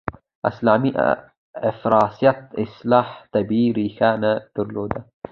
اسلامي افراطیت اصلاً طبیعي ریښه نه درلوده.